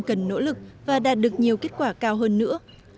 cần nỗ lực và đạt được nhiều kết quả cao hơn nữa